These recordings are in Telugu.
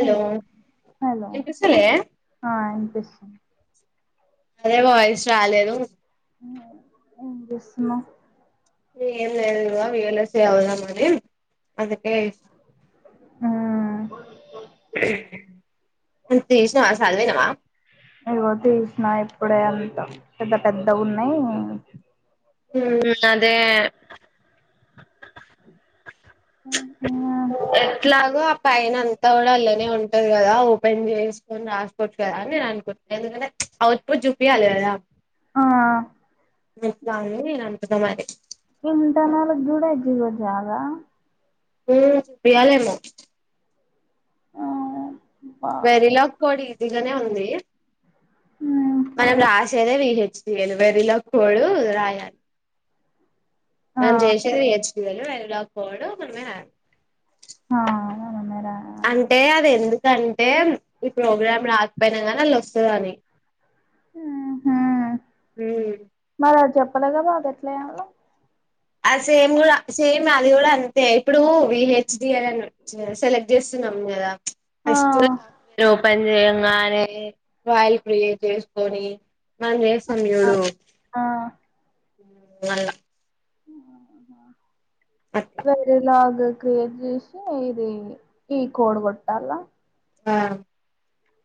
హలో హలో వినిపిస్తలే ఆ ఇనిపిస్తుంది అదే వాయిస్ రాలేదు ఎం చేస్తున్నవ్ ఏం లేదు ఇగొ విల్లోళ్ళొస్తే ఆగుదామని అందుకే ఆ నువు తీషినవా సదివినవా ఇగో తిసిన ఇప్పుడే అంత పెద్ద పెద్దగున్నాయి ఉమ్ అదే ఎట్లాగో అప్ పైన అంతా గూడా అల్లనే ఉంటది గదా ఓపెన్ చేసుకొని రాసుకోవచ్చు కదా అని నేను అనుకుట్నా ఎందుకంటే అవుట్పుట్ చూపియాలె కదా ఆ ఆ ఎట్ల అని నేను అంటున్న మరి ఇంత నాలేడ్జ్ గూడ ఎగ్జిక్యుట్ చేయాలా ఉమ్ చూపియాలేమొ ఆ బా వెరిలక్ కోడి ఇల్ల నే ఉంది మ్మ్ మనం లాస్ గదే రీల్ వచ్చింది కదా వెరిలా కోడ్ రాయాలి ఆ మనం చేసేదె ఎచ్ [unintelligible] వేరిలక్ కోడ్ మనమే [inaudible] ఆ అవును మేరా అంటే అది ఎందుకంటే ఈ ప్రోగ్రాం రాకపోయినా గానీ అళ్లోస్తదని ఉహ్ ఉ పడగదా అదేట్లే అది సేమ్ కూడా సేమ్ అది కూడా అంతే ఇప్పుడు వి హెచ్డి ఎలన్ చేస్ సెలెక్ట్ చేస్తున్నాం కదా ఆ ఫస్ట్ [inaudible] పని చేయంగానే వాయిల్ క్రియే చేసుకొని మనం చేస్తాం ఆ చూడు ఆ ఉ మల్ల హు ఆమా అట్లా వేరిలాగ్ ది క్రియేట్ చేసి ఇది ఈ కోడ్ కొట్టల్ల ఆ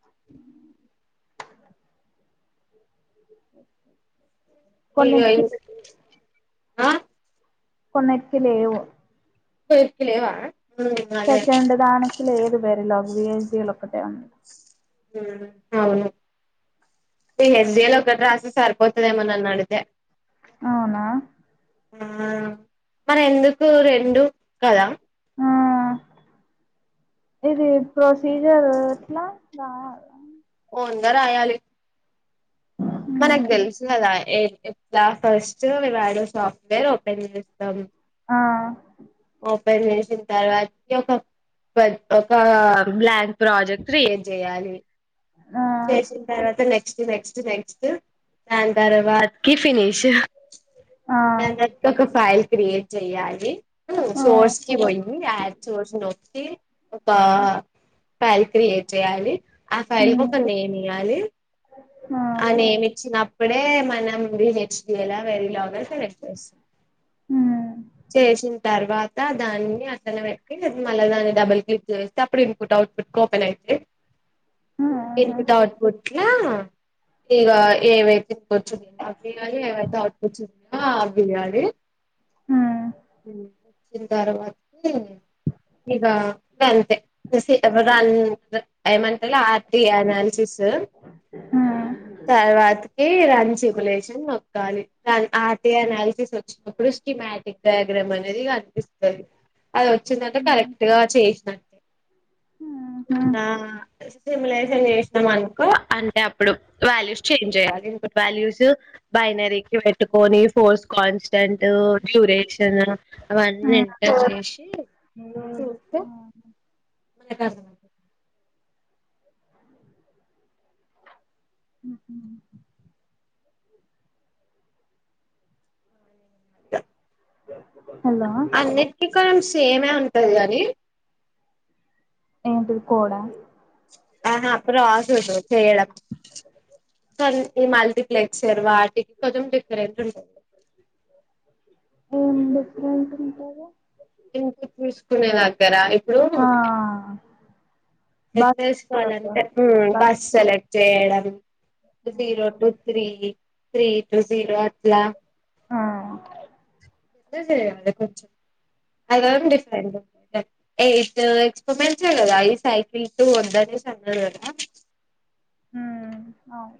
హూ ఈ కొన్నిటికి రైస్ ఆ కొన్నిటికి లేవు కోయెక్కి లేవా అదే సెకండ్ దాన్ లేదు బేరీ లావ్ వి జెల్ ఒకటే ఉన్ అవును హెల్దిలో ఒకటి రాస సరిపోతుదేమోనన్న అడిగితే అవునా ఆ మన ఎందుకు రెండు కదా ఆ ఇది ప్రొసీజర్ ఎట్లా రావాల ఓన్గా రాయాలి మనకు హ్మ్ తెలుసు కదా ఎ ఎట్లా ఫస్ట్ మేము ఆడ సాఫ్ట్వేర్ ఓపెన్ చేస్తాం ఆ ఓపెన్ చేసిన తర్వాత కి ఒక ఒక బ్లాంక్ ప్రాజెక్ట్ క్రియేట్ చేయాలి ఆ చేసిన తర్వాత నెక్స్ట్ నెక్స్ట్ నెక్స్ట్ దాని తర్వాత కి ఫినిష్ ఆ దా నట్ కి ఒక ఫైల్ క్రియేట్ చెయాలి హు ఆ సోర్స్ కి పోయి యాడ్ సోర్స్ నొక్కి ఒక పై క్రియేట్ చేయాలి ఆ ఫైల్ హ్మ్ ఇయాలి ఆ అనే ఏమి ఇచ్చిన ఇప్పుడే మనం నెర్చలా వెర లాంగ్ అ సె హ్మ్ చేసిన తర్వాత దానికి అన్ని అట్టనే పెట్టి మళ్ళా దాన్ని డబల్ కిప్ చేస్తే ఇన్పుట్ ఆవుట్ పుట్ కోపన్ అఇద్దే ఇన్ ఆహా పుట్ అవుట్ పుట్ కూ ఇక ఏవైతే ఇ కూచున్నాయో అవేయాలి ఏవైతే అవుట్ పుట్స్ ఆ వయ్యాలి హ్మ్ అ ఇంత ఆరవటము అంతే ఇక సీత ప్రధానము ఏమంటారు ఆర్టీ అనాలిసిస్ హ్మ్ తరవాతకి [unintelligible] కానీ ఆట అనాలిసిస్ వచ్చినప్పుడు కిమాటిక్ డయాగ్రామ్ అనేది కనిపిస్తుంది. అది వచ్చిందంటా హ్మ్ కరెక్ట్ గా చేసిన హ్మ్ నా సిములైజ్ చేసాం అనుకో అంటే ఇప్పుడు వాల్యూస్ చేంజ్ చేయాలి. ఇ వాల్యూస్ బైనరీకి పెట్టుకొని, ఫోర్స్ కాన్స్టెంట్ డ్యూరేషన్ హ్మ్ అవన్నీంత చేసి చూస్తే. గంతకంటే ఉహు బ అన్నిటికి కొంచెం సేమే ఉంటది గాని ఏంటి కోడా ఆహా అప్పుడు రా చూడు చేయడం కొ ఈ మల్టీప్లెక్సర్ వాటికి కొంచెం డిఫరెంట్ ఉంటది. ఏం డిఫరెంట్ ఉంటది. ఇ చూసుకునే దగ్గర ఇప్పుడు ఆ బస్ ఎట్సుకోవాలంటే బస్ బస్లె జయడావి zero two three three two zero అట్లా ఆ ఇదే చేగాద కొంచం అది డిఫరెంట్ ఎయిట్ ఎక్స్పమెన్స్దా ఈ సైకిల్ టు వద్దనేసి అన్నాడు కదా హు అవు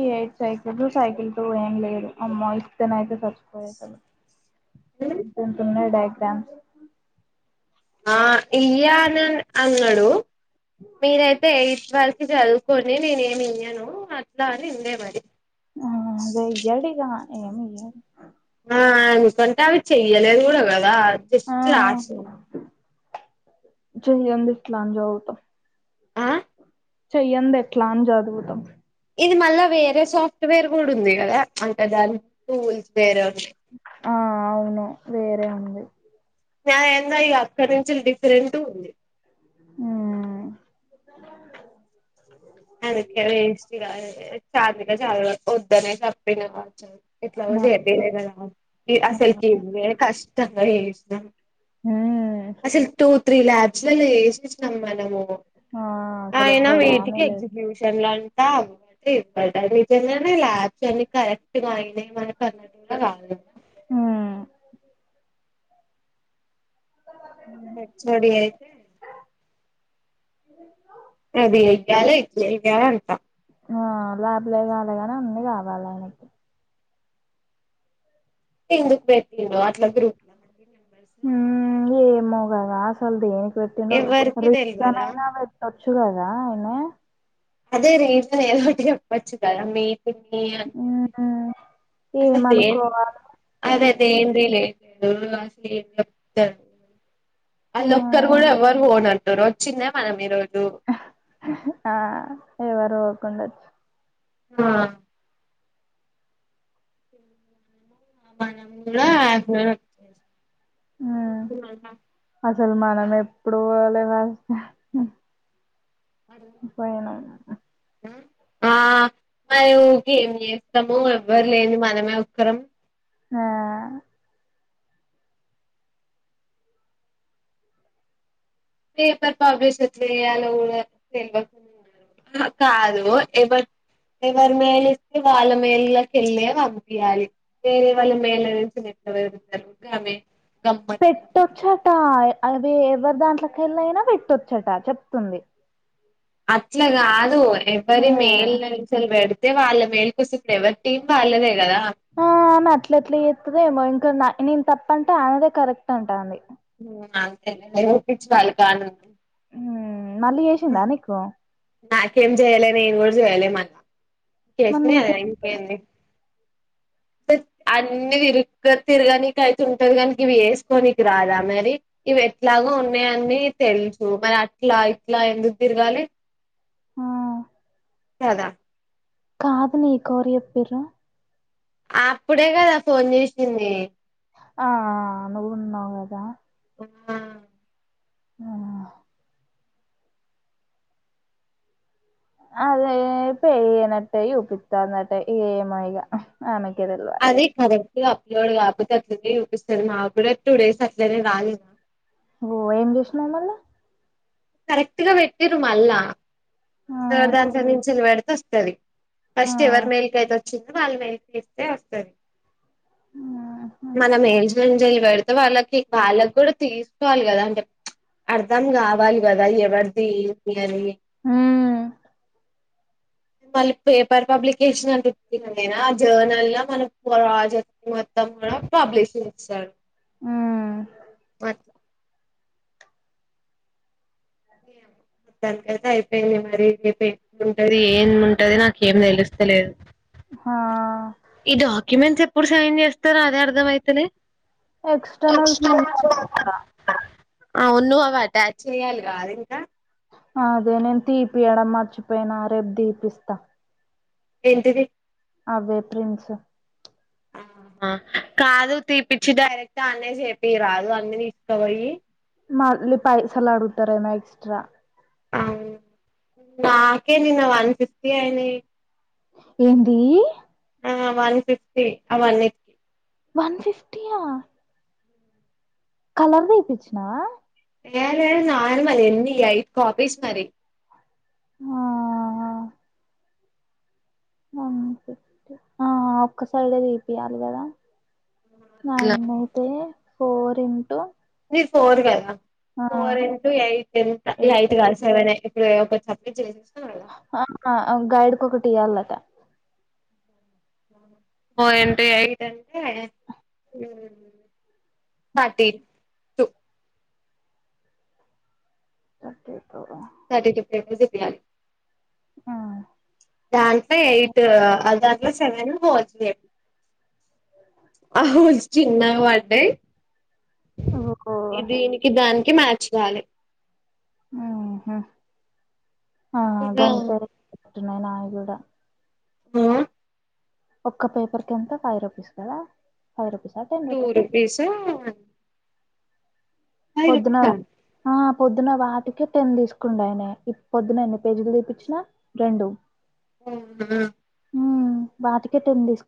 ఈ ఎయిట్ సైకిల్ సైకిల్ తో ఏం లేదు అమ్మ ఇస్తేనైతే చచ్చిపోయేసలు ఉమ్. ఎంత ఎంత త ఉన్నాడు డ్యామ్స్ ఆ ఇయ్య అన అన్నాడు మీరైతే ఎయిట్ వరకు చదువుకొని నేను ఏమి ఇయ్యను డా అని ఉండే మరి ఆ అదే ఇయ్యడిగా ఏమి ఇయ్యడు ఆ అనుకంటా అయి చేయలేదు గూడ కదా అడ్జెస్ట్ రాశ జు జూమ్ ఇట్లా జాదువుతాం ఆ చెయ్యంది ఎట్లా అని చదువుతాం ఇది మళ్ళా వేరే సాఫ్ట్వేర్ కూడా ఉంది కదా అంటే దాని టూల్స్ వేరే ఉన్నాయి ఆ అవును వేరే ఉంది న్యాయంగా ఇ అక్కరించి డిఫరెంట్ ఉంది ఆ అదొక వేస్ట్ [unintelligible] చార్లీగా చాలా వద్దనే తప్పిన [unintelligible] ఇట్లా పోతే [unintelligible] అసలకి కష్టంగా మ్మ్ [inaudible] అసలు తూ త్రీ ల్యాబ్స్ లో వేసెసినాం మనము ఆ అసలు ఎక్కువగా ఆమెలే వీళ్లంట [unintelligible] నిజంగానే ల్యాబ్స్ అని కరెక్ట్ గా అయినయ్ మన కర్ణాట [inaudible] కాదు ముందుడే ఎచ్ ఓ డీ అయితే [inaudible] అదిగాల ఎగా్యాల అంత ఆ లాభలే కాల ని అన్ని కావాలి ఆయనకి తిందుకు పెటిండ్రు అట్లా గ్రూప్ హ ఏమ గద అసల్ది రోటిను ఎవ్వరికి తెల్వదా రీజననా చుడదా ఎన్న అదే రేపు ఏదోటి చెప్పొచ్చు కదా మీ [inaudible] మ్మ్ అసలు దే ఏమనుకోవాలి హ్మ్. అదేందిలే ఏదో అసలు ఎం [inaudible] అల ఒక్కర్ హ్మ్. కూడా ఎవరు పోన [unintelligible] వచ్చిందే మనం మీరు ఆ ఎవారు కొంద ఆ మనమ్ కూడా కూడా [unintelligible] [unintelligible] ముసల్మానం ఎప్పుడు వాలే వా [unintelligible] పోయినా ఆ మా గమి [unintelligible] మము ఎవ్వరు లేని మనమే [unintelligible] కరం [inaudible] ఆ పేపర్ పబ్లిష్ చేయాలో కూడా తెవకుంన్నారు కాదు ఎవరు ఎవరి మేలు ఇస్తే వాళ్ళ మేళకి వెళ్ళి పంపియాలి వేరే వాళ్ళ మేళ నుంచి నెట్లు వేరుగుతారుమె పెట్టొచ్చట అవి ఎవరు దాంట్లో కెళ్ళైనా పెట్టొచ్చట చెప్తుంది అట్లగాదు ఎవరి మెయిల్ హ్మ్ నుంచెలి పెడితె వాళ్ళ మెయిల్ కు ఎవరి టీం వాళ్ళదే కదా ఇక్కడ నేను తప్పంట ఆమెదే కరెక్ట్ అంటా అంది ఎవరి పిచ్చి వాళ్ళకానందం హ్మ్ మళ్ళీ చేసిందా నీకు నాకేమ్ జేయాల నేనుకూడా జేయలే మళ్ల మరి చేస్తుంది అది నీకే [unintelligible] ఇంకేంది అన్నీ తిరుక్క తిరగానీకైతుంటది గాని గివి ఏస్కోనికి రాదా మరి ఇవెట్లాగో ఉన్నాయన్నీ తెల్సు మరి అట్లా లా ఎందుకు తిర్గాాలి ఆ కదా కాదు నీ కోరు జెప్పిర్రు అప్పుడే కదా ఫోన్ జేసింది ఆ ఆ నువున్నావ్ కదా ఆ ఆ అదే పెయ్యనట్టై యూపిత్తాందట ఏమొ ఇక అదీ కర [unintelligible] [unintelligible] అప్లోడ్ కాపోతే అట్లనే ఊపిస్తారు మాక్కూడా టూ డేస్ అట్లనే రాలే [unintelligible] ఓ ఏం చేసినావ్ మళ్ళా కరెక్టుగా పెట్టిరు మళ్ళా [unintelligible] ఆహా సరి [unintelligible] ఆ ఫస్ట్ ఎవరిమెయిల్కైతే చిక్క పాలపాకెట్ తెస్తే వస్తారు ఆహా [unintelligible] మనమే ఎలిజి గంజలి బెడితే వాళ్ళకి వాళ్ళక్కూడా తీస్కోవాలి గదా [unintelligible] అర్ధం గావాలి గదా ఎవరిదీ అని హ్మ్ మళ్ళీ పేపర్ పబ్లికేషన్ [unintelligible] నేనా జర్నల్ లో మనం ప్రాజెక్ట్ మొత్తం గూడా పబ్లిష్ చేస్తారు. హ్మ్ [unintelligible] దానికైతే అయిపోయింది మరి [inaudible] ఏం ఉంటది ఏం ఉంటది నాకేం తెలుస్తలేదు హ ఈ డాక్యుమెంట్స్ ఎప్పుడు సైన్ చేస్తారో అదే అర్ధం అయితలే ఎక్స్టర్నల్స్ ముంద [unintelligible] అవును అవటాచ్చెయ్యాలి కాదింకా అదే నేన్ తీపియడం మర్చిపోయినా రేపు తీపిస్తా ఏంటిది అవే ప్రిన్స్ ఆహా కాదు తీపిచ్చి డైరెక్ట్ అన్నే చేపిరాదు అన్ని తీస్కపోయి మళ్ళీ పైసలు ఆడుగుతారేమో ఎక్స్ట్రా నాకే నిన్న వన్ ఫిఫ్టీ అయినియ్ ఏందీ ఆ వన్ ఫిఫ్టీ అవన్నీటికి వన్ ఫిఫ్టీయా కలర్ తీపిచ్చినవా ఏ లేదు నార్మల్ ఎన్ని ఐదు కాపీస్ మరి హ హ వన్ ఫిఫ్టీ ఆ ఒక్క సైడే తీపియ్యాలి కదా నావి ఎన్ని అయిత ఫోర్ ఇంటూ ఫోర్ కదా ఆ ఫోర్ ఇన్ టూ ఎయిట్ ఎంత ఎయిట్ కాదు సేవనే క ఒక [unintelligible] గైడ్ కి ఒకటి ఇయ్యాలట ఫోర్ ఇన్ టూ అయిట్ అంటే హు thirty two thirty two thirty two rupees ఇయ్యాలి ఆ దాంట్లో ఎయిట్ ఆ దాంట్లో సెవెన్ పోవచ్చు ఓహో చిన్నగా పడ్డాయి దీనికి దానికి మ్యాచ్ కాలే ఆహా ఆ గంతరి ఎట్టున్నాయో నాయికూడా ఒక్క పేపర్ కి ఎంత ఫైవ్ రుపీస్ కదా ఫైవ్ రుపీస్ టూ రుపీస్ ఆ పొడునా ఆ పొద్దున వాటికి టెన్ తీసుకుంయనే పొద్దున ఎన్ని పేజీలు దీపించిన రెండు [unintelligible] మ్ బాటికెట్ ఏని తీస